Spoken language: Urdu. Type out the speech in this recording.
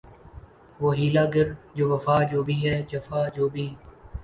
وہ حیلہ گر جو وفا جو بھی ہے جفاخو بھی